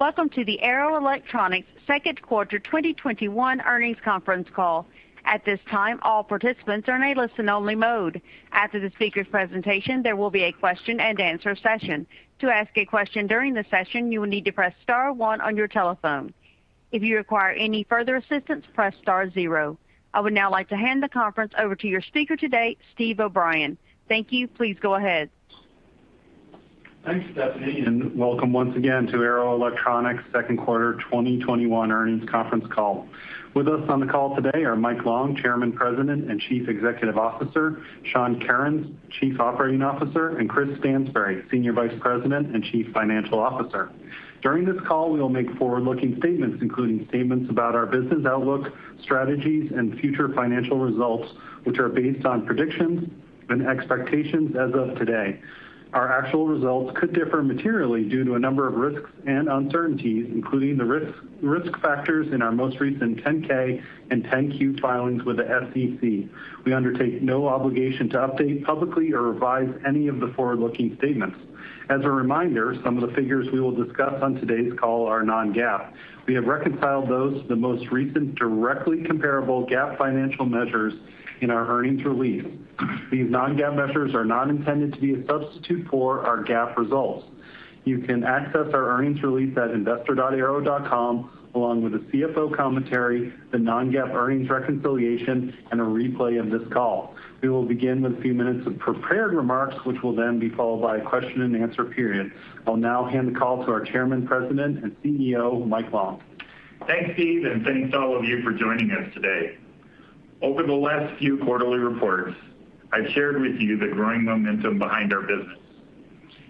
Welcome to the Arrow Electronics second quarter 2021 earnings conference call. At this time, all participants are in a listen only mode. After the speaker's presentation, there will be a question-and-answer session. To ask a question during the session, you will need to press star one on your telephone. If you require any further assistance, press star zero. I would now like to hand the conference over to your speaker today, Steve O'Brien. Thank you. Please go ahead. Thanks, Stephanie, and welcome once again to Arrow Electronics second quarter 2021 earnings conference call. With us on the call today are Mike Long, Chairman, President, and Chief Executive Officer, Sean Kerins, Chief Operating Officer, and Chris Stansbury, Senior Vice President and Chief Financial Officer. During this call, we will make forward-looking statements, including statements about our business outlook, strategies, and future financial results, which are based on predictions and expectations as of today. Our actual results could differ materially due to a number of risks and uncertainties, including the risk factors in our most recent 10-K and 10-Q filings with the SEC. We undertake no obligation to update publicly or revise any of the forward-looking statements. As a reminder, some of the figures we will discuss on today's call are non-GAAP. We have reconciled those to the most recent directly comparable GAAP financial measures in our earnings release. These non-GAAP measures are not intended to be a substitute for our GAAP results. You can access our earnings release at investor.arrow.com, along with the CFO commentary, the non-GAAP earnings reconciliation, and a replay of this call. We will begin with a few minutes of prepared remarks, which will then be followed by a question-and-answer period. I'll now hand the call to our Chairman, President, and CEO, Mike Long. Thanks, Steve, and thanks to all of you for joining us today. Over the last few quarterly reports, I've shared with you the growing momentum behind our business.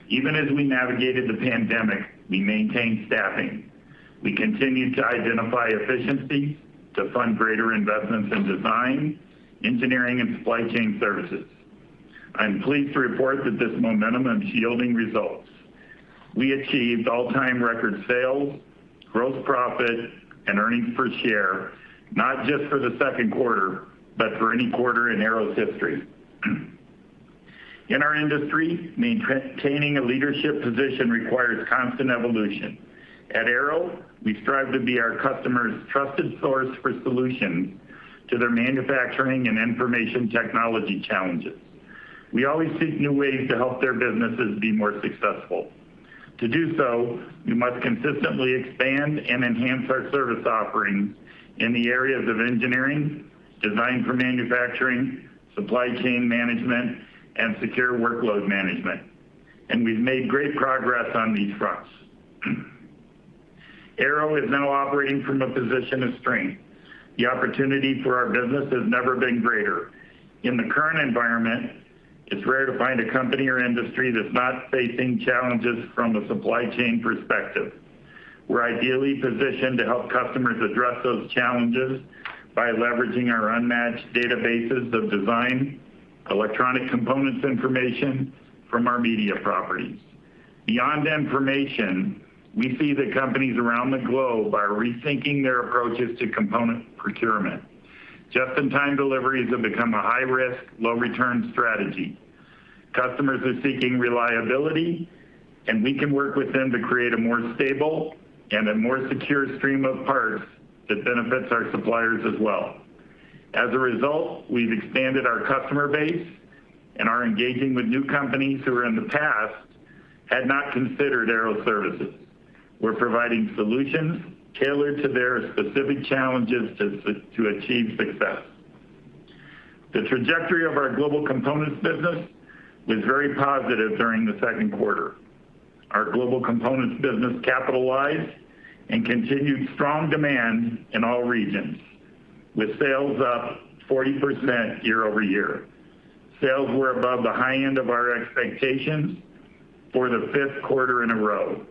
Even as we navigated the pandemic, we maintained staffing. We continued to identify efficiencies to fund greater investments in design, engineering, and supply chain services. I'm pleased to report that this momentum is yielding results. We achieved all-time record sales, gross profit, and earnings per share, not just for the second quarter, but for any quarter in Arrow's history. In our industry, maintaining a leadership position requires constant evolution. At Arrow, we strive to be our customers' trusted source for solutions to their manufacturing and information technology challenges. We always seek new ways to help their businesses be more successful. To do so, we must consistently expand and enhance our service offerings in the areas of engineering, design for manufacturing, supply chain management, and secure workload management, and we've made great progress on these fronts. Arrow is now operating from a position of strength. The opportunity for our business has never been greater. In the current environment, it's rare to find a company or industry that's not facing challenges from a supply chain perspective. We're ideally positioned to help customers address those challenges by leveraging our unmatched databases of design, electronic components information from our media properties. Beyond information, we see that companies around the globe are rethinking their approaches to component procurement. Just-in-time deliveries have become a high-risk, low-return strategy. Customers are seeking reliability, and we can work with them to create a more stable and a more secure stream of parts that benefits our suppliers as well. As a result, we've expanded our customer base and are engaging with new companies who, in the past, had not considered Arrow services. We're providing solutions tailored to their specific challenges to achieve success. The trajectory of our Global Components business was very positive during the second quarter. Our Global Components business capitalized and continued strong demand in all regions, with sales up 40% year-over-year. Sales were above the high end of our expectations for the fifth quarter in a row,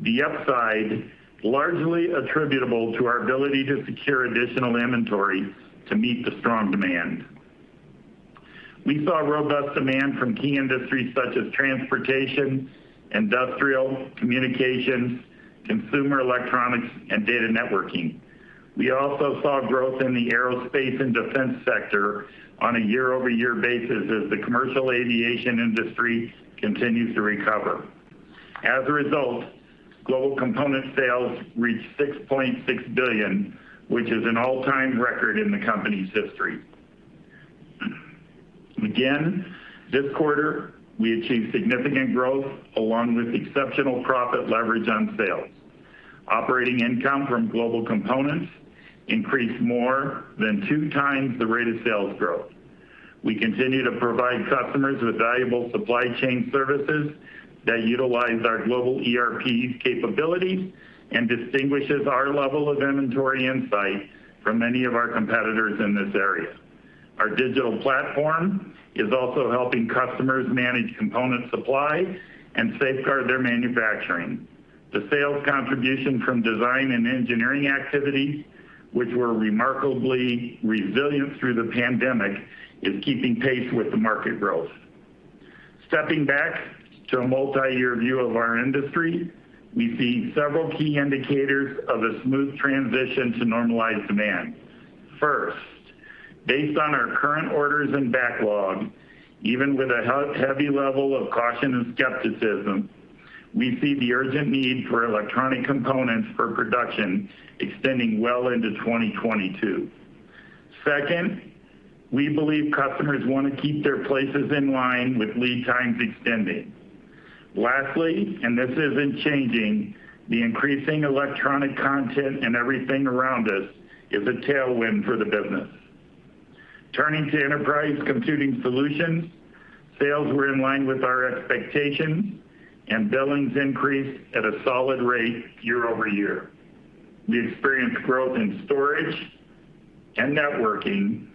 the upside largely attributable to our ability to secure additional inventory to meet the strong demand. We saw robust demand from key industries such as transportation, industrial, communications, consumer electronics, and data networking. We also saw growth in the aerospace and defense sector on a year-over-year basis as the commercial aviation industry continues to recover. Global component sales reached $6.6 billion, which is an all-time record in the company's history. This quarter, we achieved significant growth along with exceptional profit leverage on sales. Operating income from Global Components increased more than two times the rate of sales growth. We continue to provide customers with valuable supply chain services that utilize our global ERP capabilities and distinguishes our level of inventory insight from many of our competitors in this area. Our digital platform is also helping customers manage component supply and safeguard their manufacturing. The sales contribution from design and engineering activities, which were remarkably resilient through the pandemic, is keeping pace with the market growth. Stepping back to a multiyear view of our industry, we see several key indicators of a smooth transition to normalized demand. First, based on our current orders and backlog, even with a heavy level of caution and skepticism, we see the urgent need for electronic components for production extending well into 2022. Second, we believe customers want to keep their places in line with lead times extending. Lastly, this isn't changing, the increasing electronic content in everything around us is a tailwind for the business. Turning to Enterprise Computing Solutions, sales were in line with our expectations, billings increased at a solid rate year-over-year. We experienced growth in storage and networking,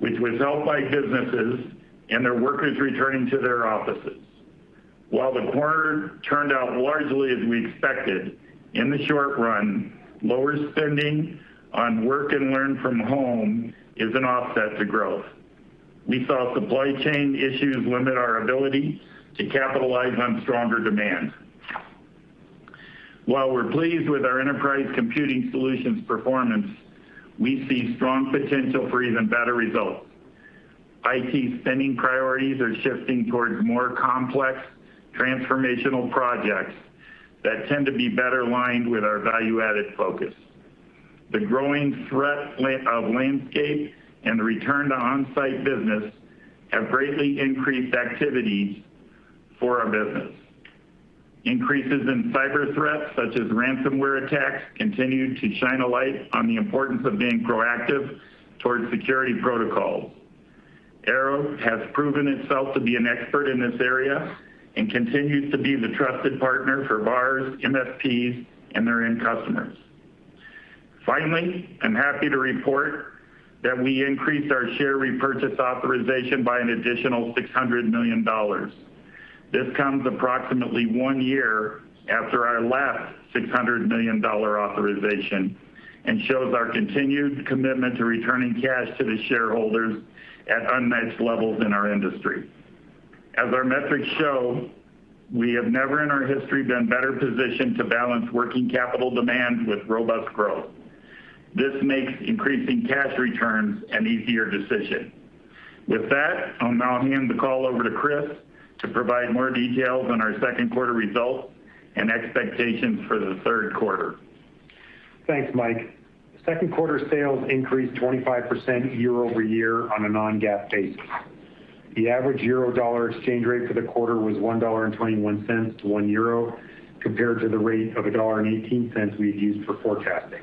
which was helped by businesses and their workers returning to their offices. While the quarter turned out largely as we expected, in the short run, lower spending on work and learn from home is an offset to growth. We saw supply chain issues limit our ability to capitalize on stronger demand. While we're pleased with our Enterprise Computing Solutions performance, we see strong potential for even better results. IT spending priorities are shifting towards more complex transformational projects that tend to be better aligned with our value-added focus. The growing threat landscape and the return to on-site business have greatly increased activities for our business. Increases in cyber threats, such as ransomware attacks, continue to shine a light on the importance of being proactive towards security protocols. Arrow has proven itself to be an expert in this area and continues to be the trusted partner for VARs, MSPs, and their end customers. Finally, I'm happy to report that we increased our share repurchase authorization by an additional $600 million. This comes approximately one year after our last $600 million authorization and shows our continued commitment to returning cash to the shareholders at unmatched levels in our industry. As our metrics show, we have never in our history been better positioned to balance working capital demand with robust growth. This makes increasing cash returns an easier decision. With that, I'll now hand the call over to Chris to provide more details on our second quarter results and expectations for the third quarter. Thanks, Mike. Second quarter sales increased 25% year-over-year on a non-GAAP basis. The average euro-dollar exchange rate for the quarter was $1.21-EUR 1, compared to the rate of $1.18 we had used for forecasting.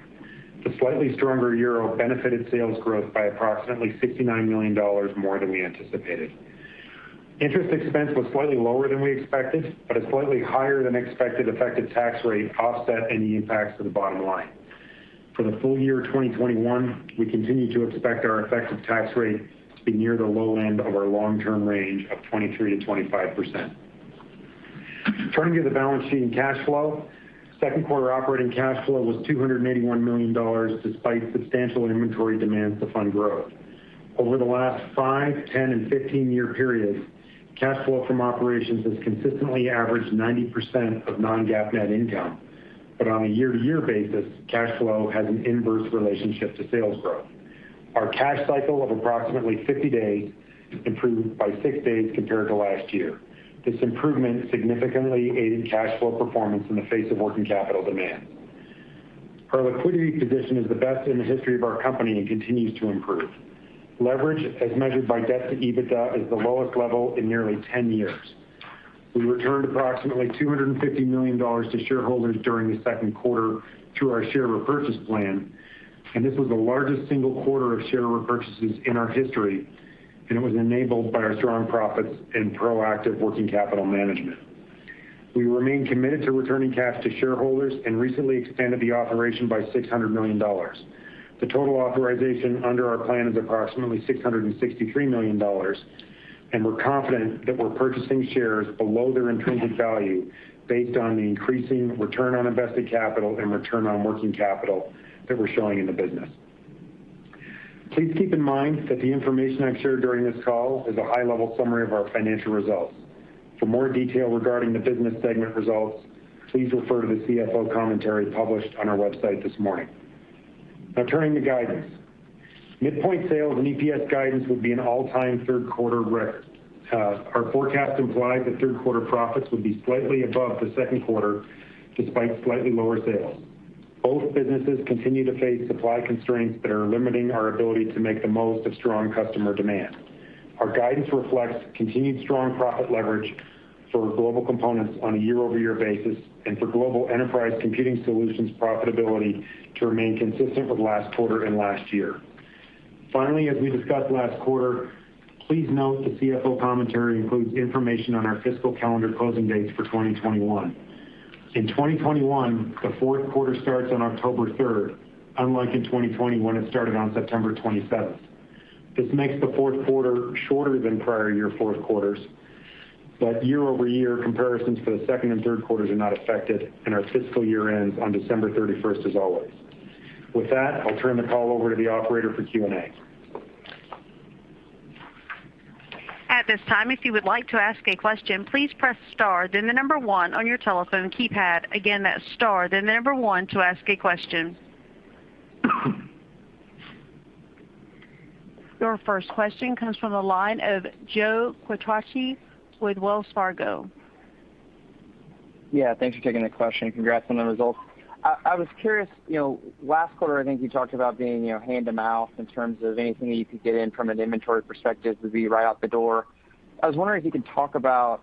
The slightly stronger euro benefited sales growth by approximately $69 million more than we anticipated. Interest expense was slightly lower than we expected, a slightly higher-than-expected effective tax rate offset any impacts to the bottom line. For the full year 2021, we continue to expect our effective tax rate to be near the low end of our long-term range of 23%-25%. Turning to the balance sheet and cash flow, second quarter operating cash flow was $281 million, despite substantial inventory demands to fund growth. Over the last five, 10, and 15-year periods, cash flow from operations has consistently averaged 90% of non-GAAP net income. On a year-to-year basis, cash flow has an inverse relationship to sales growth. Our cash cycle of approximately 50 days improved by six days compared to last year. This improvement significantly aided cash flow performance in the face of working capital demands. Our liquidity position is the best in the history of our company and continues to improve. Leverage, as measured by debt to EBITDA, is the lowest level in nearly 10 years. We returned approximately $250 million to shareholders during the second quarter through our share repurchase plan, and this was the largest single quarter of share repurchases in our history, and it was enabled by our strong profits and proactive working capital management. We remain committed to returning cash to shareholders and recently expanded the authorization by $600 million. The total authorization under our plan is approximately $663 million, and we're confident that we're purchasing shares below their intrinsic value based on the increasing return on invested capital and return on working capital that we're showing in the business. Please keep in mind that the information I've shared during this call is a high-level summary of our financial results. For more detail regarding the business segment results, please refer to the CFO commentary published on our website this morning. Now turning to guidance. Midpoint sales and EPS guidance will be an all-time third quarter record. Our forecast implies that third quarter profits will be slightly above the second quarter, despite slightly lower sales. Both businesses continue to face supply constraints that are limiting our ability to make the most of strong customer demand. Our guidance reflects continued strong profit leverage for Global Components on a year-over-year basis and for Global Enterprise Computing Solutions profitability to remain consistent with last quarter and last year. Finally, as we discussed last quarter, please note the CFO commentary includes information on our fiscal calendar closing dates for 2021. In 2021, the fourth quarter starts on October 3rd, unlike in 2020, when it started on September 27th. This makes the fourth quarter shorter than prior year fourth quarters, but year-over-year comparisons for the second and third quarters are not affected, and our fiscal year ends on December 31st as always. With that, I'll turn the call over to the operator for Q&A. At this time if you would like to ask a question please press star then number one on your telephone keypad, again star then number one to ask a question. Your first question comes from the line of Joe Quatrochi with Wells Fargo. Yeah, thanks for taking the question. Congrats on the results. I was curious, last quarter, I think you talked about being hand-to-mouth in terms of anything that you could get in from an inventory perspective would be right out the door. I was wondering if you could talk about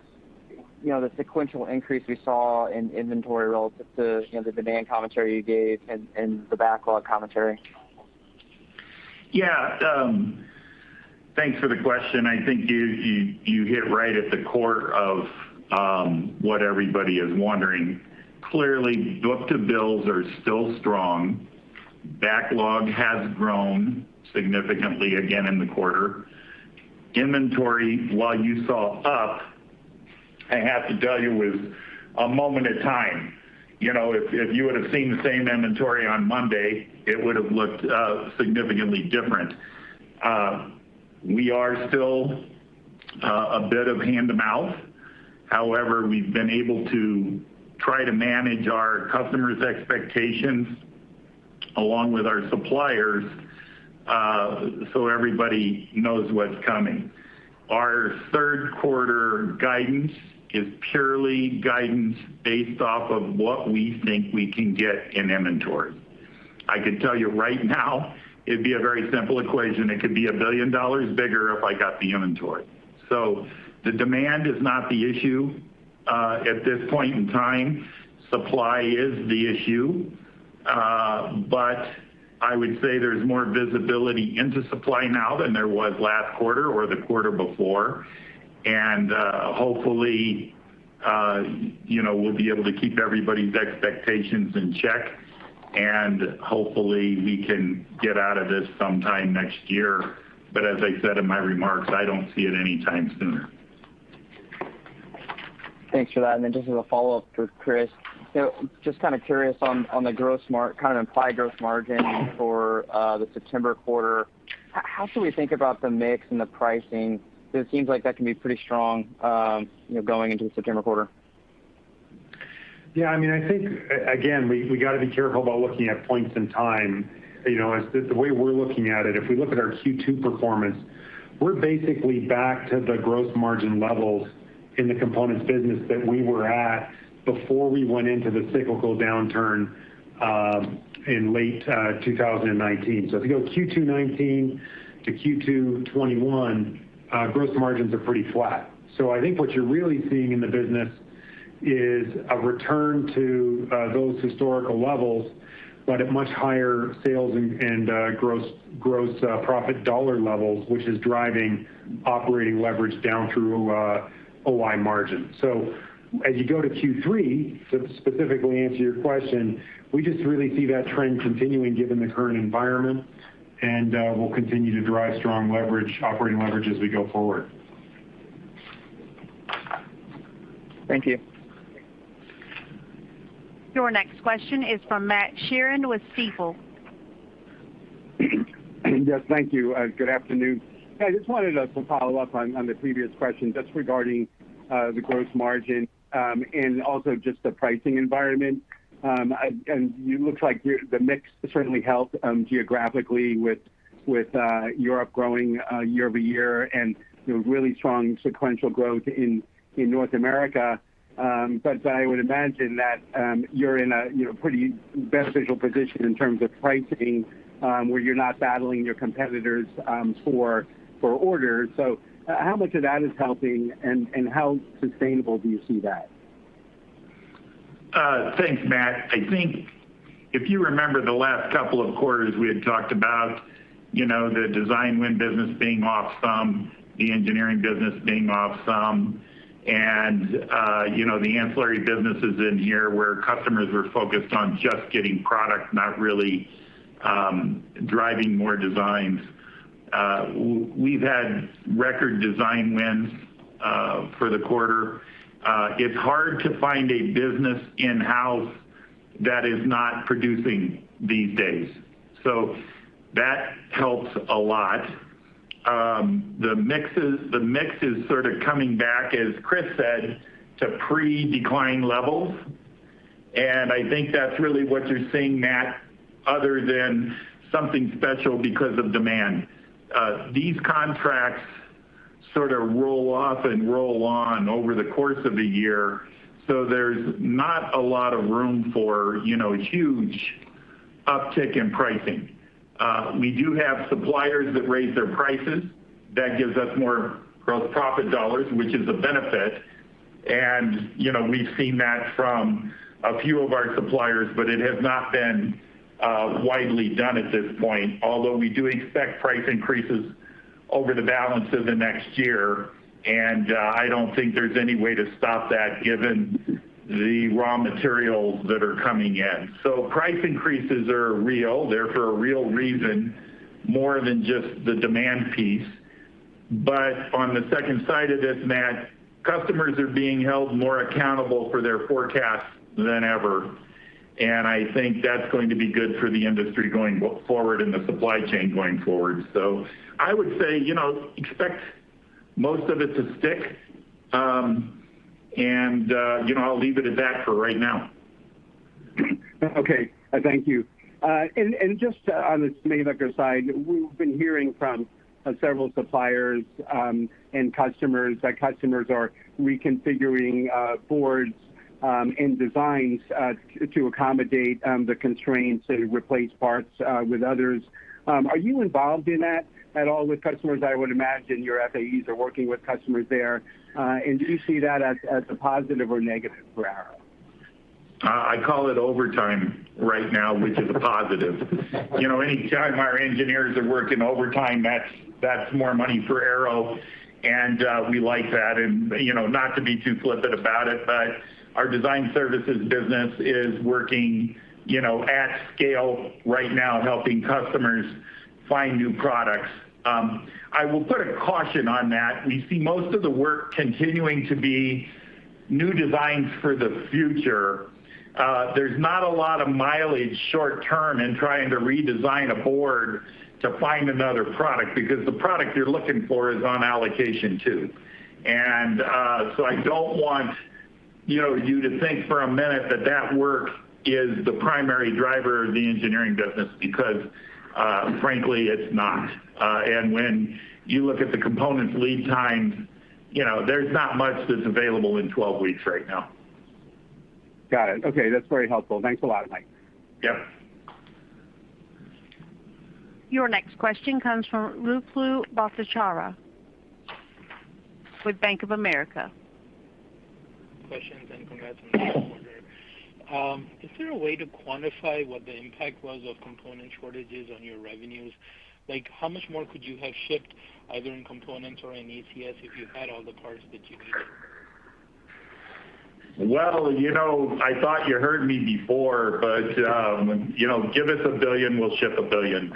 the sequential increase we saw in inventory relative to the demand commentary you gave and the backlog commentary. Yeah. Thanks for the question. I think you hit right at the core of what everybody is wondering. Clearly, book-to-bills are still strong. Backlog has grown significantly again in the quarter. Inventory, while you saw up, I have to tell you, was a moment in time. If you would've seen the same inventory on Monday, it would've looked significantly different. We are still a bit hand-to-mouth. However, we've been able to try to manage our customers' expectations along with our suppliers, so everybody knows what's coming. Our third quarter guidance is purely guidance based off of what we think we can get in inventory. I could tell you right now, it'd be a very simple equation. It could be $1 billion bigger if I got the inventory. The demand is not the issue at this point in time. Supply is the issue. I would say there's more visibility into supply now than there was last quarter or the quarter before. Hopefully, we'll be able to keep everybody's expectations in check, and hopefully we can get out of this sometime next year. As I said in my remarks, I don't see it any time sooner. Thanks for that. Just as a follow-up for Chris. Just kind of curious on the implied gross margin for the September quarter. How should we think about the mix and the pricing? It seems like that can be pretty strong going into the September quarter. Yeah. I think, again, we got to be careful about looking at points in time. The way we're looking at it, if we look at our Q2 performance, we're basically back to the gross margin levels in the components business that we were at before we went into the cyclical downturn in late 2019. If you go Q2 2019 to Q2 2021, gross margins are pretty flat. I think what you're really seeing in the business is a return to those historical levels, but at much higher sales and gross profit dollar levels, which is driving operating leverage down through OI margin. As you go to Q3, to specifically answer your question, we just really see that trend continuing given the current environment, and we'll continue to drive strong operating leverage as we go forward. Thank you. Your next question is from Matt Sheerin with Stifel. Yes, thank you. Good afternoon. I just wanted to follow up on the previous question just regarding the gross margin, and also just the pricing environment. It looks like the mix certainly helped geographically with Europe growing year-over-year and really strong sequential growth in North America. I would imagine that you're in a pretty beneficial position in terms of pricing, where you're not battling your competitors for orders. How much of that is helping, and how sustainable do you see that? Thanks, Matt. I think if you remember the last couple of quarters, we had talked about the design win business being off some, the engineering business being off some, and the ancillary businesses in here where customers were focused on just getting product, not really driving more designs. We've had record design wins for the quarter. It's hard to find a business in-house that is not producing these days. That helps a lot. The mix is sort of coming back, as Chris said, to pre-decline levels, and I think that's really what you're seeing, Matt, other than something special because of demand. These contracts sort of roll off and roll on over the course of a year, so there's not a lot of room for huge uptick in pricing. We do have suppliers that raise their prices. That gives us more gross profit dollars, which is a benefit, and we've seen that from a few of our suppliers, but it has not been widely done at this point, although we do expect price increases over the balance of the next year. I don't think there's any way to stop that given the raw materials that are coming in. Price increases are real. They're for a real reason more than just the demand piece. On the second side of this, Matt, customers are being held more accountable for their forecasts than ever. I think that's going to be good for the industry going forward and the supply chain going forward. I would say, expect most of it to stick. I'll leave it at that for right now. Okay. Thank you. Just on the manufacturer side, we've been hearing from several suppliers and customers that customers are reconfiguring boards and designs to accommodate the constraints to replace parts with others. Are you involved in that at all with customers? I would imagine your FAEs are working with customers there. Do you see that as a positive or negative for Arrow? I call it overtime right now, which is a positive. Anytime our engineers are working overtime, that's more money for Arrow, and we like that. Not to be too flippant about it, but our design services business is working at scale right now, helping customers find new products. I will put a caution on that. We see most of the work continuing to be new designs for the future. There's not a lot of mileage short-term in trying to redesign a board to find another product, because the product you're looking for is on allocation too. I don't want you to think for a minute that work is the primary driver of the engineering business, because frankly, it's not. When you look at the components lead times, there's not much that's available in 12 weeks right now. Got it. Okay. That's very helpful. Thanks a lot, Mike. Yep. Your next question comes from Ruplu Bhattacharya with Bank of America. Questions. Congrats on the quarter. Is there a way to quantify what the impact was of component shortages on your revenues? How much more could you have shipped either in components or in ECS if you had all the parts that you need? I thought you heard me before, but give us $1 billion, we'll ship $1 billion.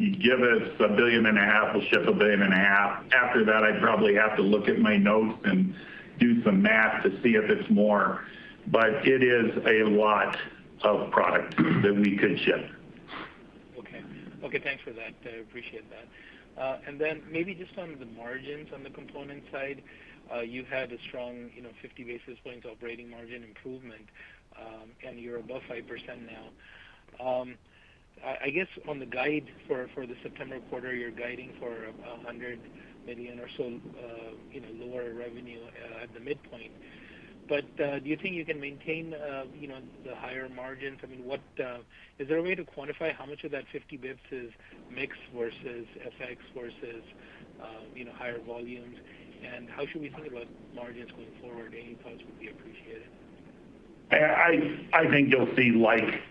You give us a $1.5 billion, we'll ship $1.5 billion. After that, I'd probably have to look at my notes and do some math to see if it's more. It is a lot of product that we could ship. Okay. Thanks for that. I appreciate that. Maybe just on the margins on the component side, you had a strong 50 basis points operating margin improvement, and you're above 5% now. I guess on the guide for the September quarter, you're guiding for $100 million or so lower revenue at the midpoint. Do you think you can maintain the higher margins? Is there a way to quantify how much of that 50 basis points is mix versus FX versus higher volumes? How should we think about margins going forward? Any thoughts would be appreciated. I think you'll see like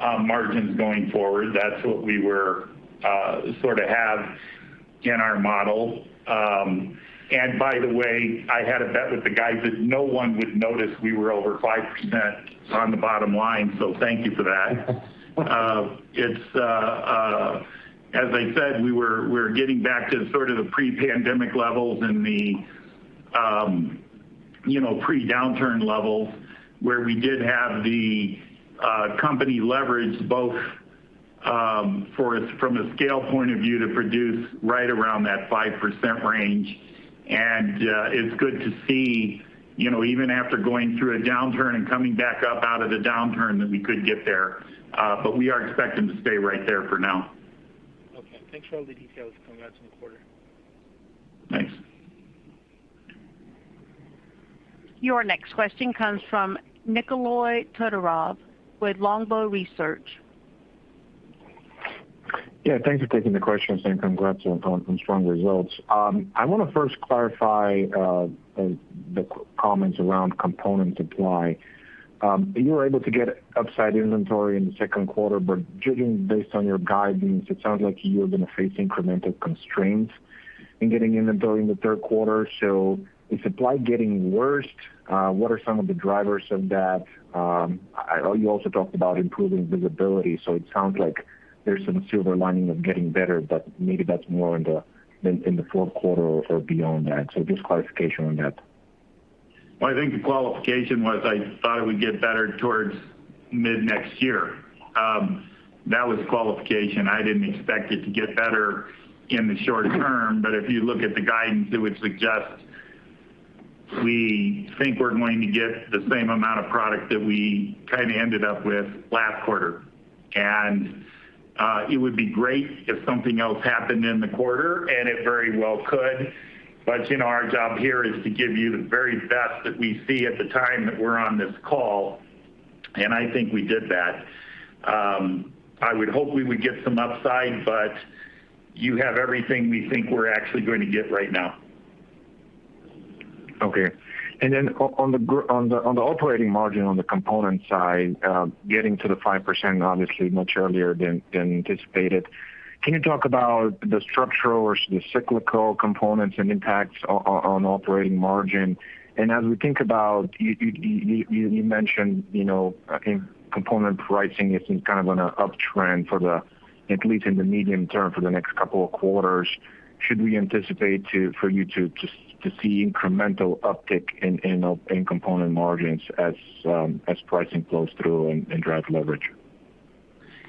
margins going forward. That's what we sort of have in our model. By the way, I had a bet with the guys that no one would notice we were over 5% on the bottom line. Thank you for that. As I said, we're getting back to sort of the pre-pandemic levels and the pre-downturn levels, where we did have the company leverage both from a scale point of view to produce right around that 5% range. It's good to see, even after going through a downturn and coming back up out of the downturn, that we could get there. We are expecting to stay right there for now. Okay. Thanks for all the details. Congrats on the quarter. Thanks. Your next question comes from Nikolay Todorov with Longbow Research. Yeah, thanks for taking the questions, and congrats on strong results. I want to first clarify the comments around component supply. You were able to get upside inventory in the second quarter, but judging based on your guidance, it sounds like you are going to face incremental constraints in getting inventory in the third quarter. Is supply getting worse? What are some of the drivers of that? You also talked about improving visibility, so it sounds like there's some silver lining of getting better, but maybe that's more in the fourth quarter or beyond that. Just clarification on that. Well, I think the qualification was I thought it would get better towards mid-next year. That was the qualification. I didn't expect it to get better in the short term. If you look at the guidance, it would suggest we think we're going to get the same amount of product that we kind of ended up with last quarter. It would be great if something else happened in the quarter, and it very well could. Our job here is to give you the very best that we see at the time that we're on this call, and I think we did that. I would hope we would get some upside, but you have everything we think we're actually going to get right now. Okay. On the operating margin on the component side, getting to the 5%, obviously much earlier than anticipated. Can you talk about the structural versus the cyclical components and impacts on operating margin? As we think about, you mentioned component pricing is in kind of an uptrend at least in the medium term for the next couple of quarters. Should we anticipate for you to see incremental uptick in component margins as pricing flows through and drive leverage?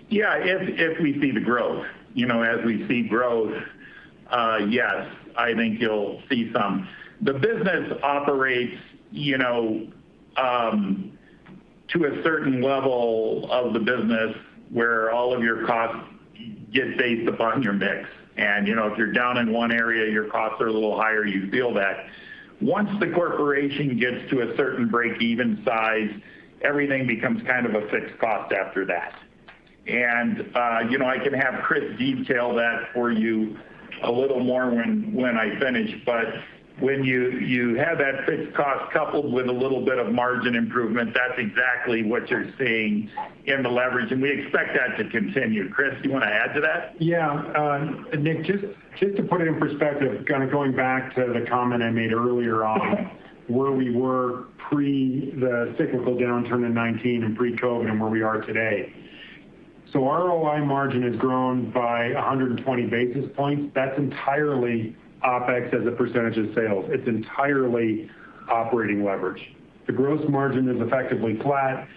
Yeah, if we see the growth. We see growth, yes, I think you'll see some. The business operates to a certain level of the business where all of your costs get based upon your mix. If you're down in one area, your costs are a little higher, you feel that. Once the corporation gets to a certain breakeven size, everything becomes kind of a fixed cost after that. I can have Chris detail that for you a little more when I finish. When you have that fixed cost coupled with a little bit of margin improvement, that's exactly what you're seeing in the leverage, and we expect that to continue. Chris, do you want to add to that? Yeah. Nick, just to put it in perspective, going back to the comment I made earlier on where we were pre the cyclical downturn in 2019 and pre-COVID and where we are today. OI margin has grown by 120 basis points. That's entirely OpEx as a percentage of sales. It's entirely operating leverage. The gross margin is effectively flat,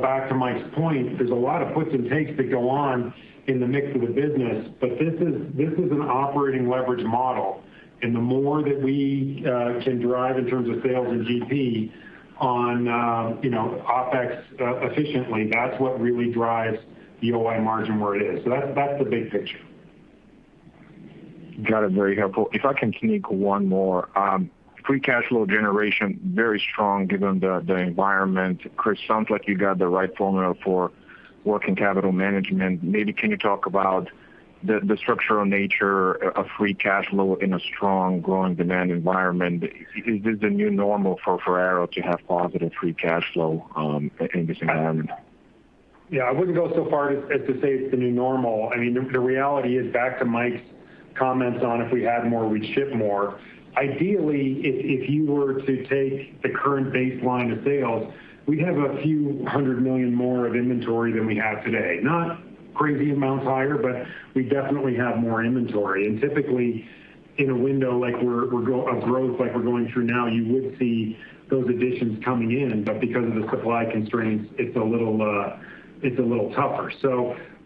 back to Mike's point, there's a lot of puts and takes that go on in the mix of the business. This is an operating leverage model, and the more that we can drive in terms of sales and GP on OpEx efficiently, that's what really drives the OI margin where it is. That's the big picture. Got it. Very helpful. If I can sneak one more. Free cash flow generation, very strong given the environment. Chris, sounds like you got the right formula for working capital management. Maybe can you talk about the structural nature of free cash flow in a strong growing demand environment? Is this the new normal for Arrow to have positive free cash flow in this environment? I wouldn't go so far as to say it's the new normal. The reality is back to Mike's comments on if we had more, we'd ship more. Ideally, if you were to take the current baseline of sales, we'd have a few 100 million more of inventory than we have today. Not crazy amounts higher, we definitely have more inventory. Typically in a window of growth like we're going through now, you would see those additions coming in. Because of the supply constraints, it's a little tougher.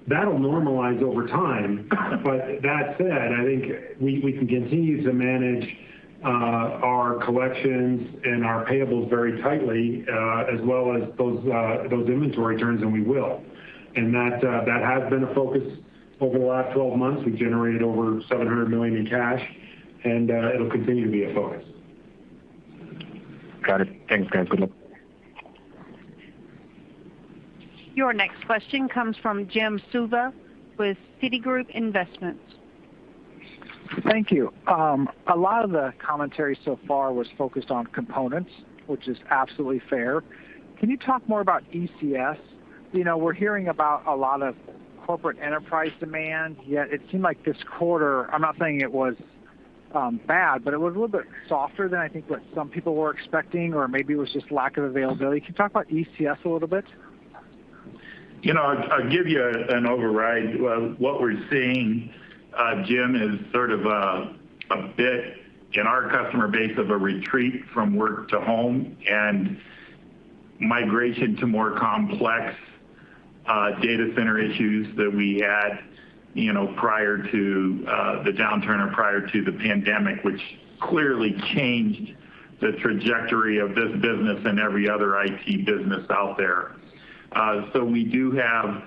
That'll normalize over time. That said, I think we can continue to manage our collections and our payables very tightly, as well as those inventory turns, we will. That has been a focus over the last 12 months. We generated over $700 million in cash, it'll continue to be a focus. Got it. Thanks, guys. Good luck. Your next question comes from Jim Suva with Citigroup Investments. Thank you. A lot of the commentary so far was focused on components, which is absolutely fair. Can you talk more about ECS? We're hearing about a lot of corporate enterprise demand, yet it seemed like this quarter, I'm not saying it was bad, but it was a little bit softer than I think what some people were expecting, or maybe it was just lack of availability. Can you talk about ECS a little bit? I'll give you an override. What we're seeing, Jim, is sort of a bit in our customer base of a retreat from work to home and migration to more complex data center issues that we had prior to the downturn or prior to the pandemic, which clearly changed the trajectory of this business and every other IT business out there. We do have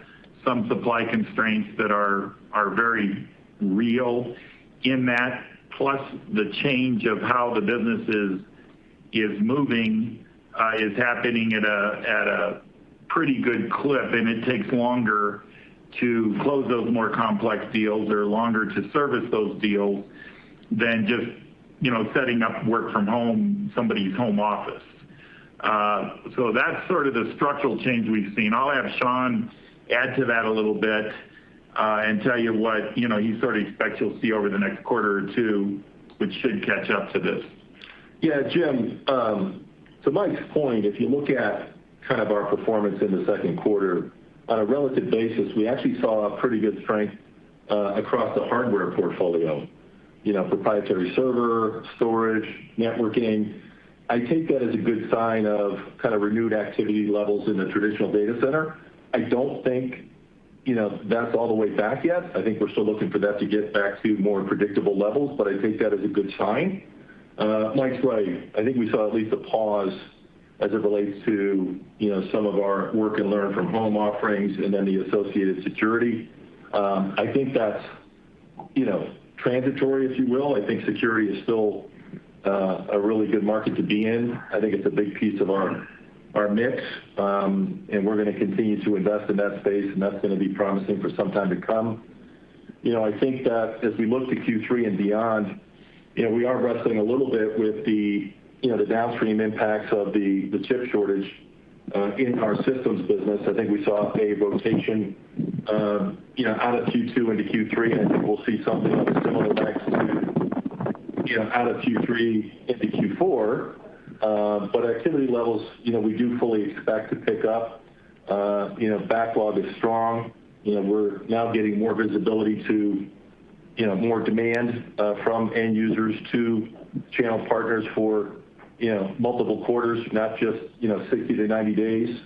some supply constraints that are very real in that, plus the change of how the business is moving is happening at a pretty good clip, and it takes longer to close those more complex deals or longer to service those deals than just setting up work from home, somebody's home office. That's sort of the structural change we've seen. I'll have Sean add to that a little bit, and tell you what he sort of expects you'll see over the next quarter or two, which should catch up to this. Jim. To Mike's point, if you look at our performance in the second quarter on a relative basis, we actually saw a pretty good strength across the hardware portfolio. Proprietary server, storage, networking. I take that as a good sign of renewed activity levels in the traditional data center. I don't think that's all the way back yet. I think we're still looking for that to get back to more predictable levels, but I take that as a good sign. Mike's right. I think we saw at least a pause as it relates to some of our work and learn from home offerings and then the associated security. I think that's transitory, if you will. I think security is still a really good market to be in. I think it's a big piece of our mix, and we're going to continue to invest in that space, and that's going to be promising for some time to come. I think that as we look to Q3 and beyond, we are wrestling a little bit with the downstream impacts of the chip shortage in our systems business. I think we saw a rotation out of Q2 into Q3, and I think we'll see something of a similar effect out of Q3 into Q4. Activity levels, we do fully expect to pick up. Backlog is strong. We're now getting more visibility to more demand from end users to channel partners for multiple quarters, not just 60-90 days.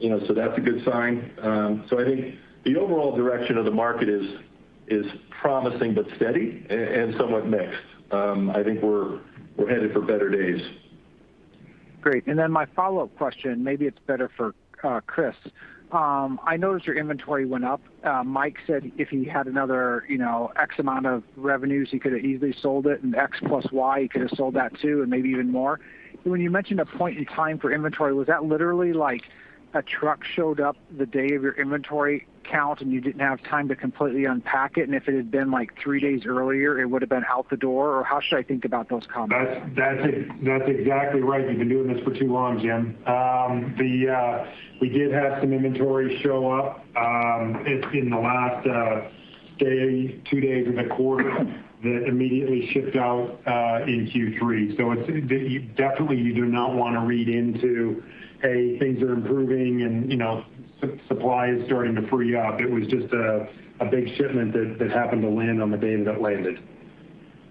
That's a good sign. I think the overall direction of the market is promising, but steady and somewhat mixed. I think we're headed for better days. Great. My follow-up question, maybe it's better for Chris. I noticed your inventory went up. Mike said if he had another $X amount of revenues, he could've easily sold it, and $X + $Y, he could have sold that, too, and maybe even more. When you mentioned a point in time for inventory, was that literally like a truck showed up the day of your inventory count and you didn't have time to completely unpack it, and if it had been like three days earlier, it would've been out the door? How should I think about those comments? That's exactly right. You've been doing this for too long, Jim. We did have some inventory show up in the last day, two days of the quarter that immediately shipped out in Q3. Definitely you do not want to read into, "Hey, things are improving and supply is starting to free up." It was just a big shipment that happened to land on the day that it landed.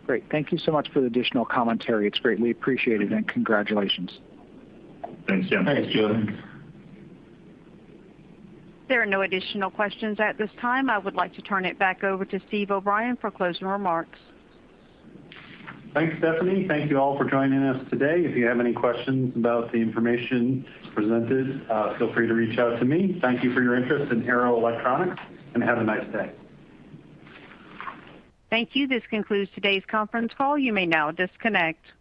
Great. Thank you so much for the additional commentary. It's great. We appreciate it, and congratulations. Thanks, Jim. Thanks, Jim. There are no additional questions at this time. I would like to turn it back over to Steve O'Brien for closing remarks. Thanks, Stephanie. Thank you all for joining us today. If you have any questions about the information presented, feel free to reach out to me. Thank you for your interest in Arrow Electronics, and have a nice day. Thank you. This concludes today's conference call. You may now disconnect.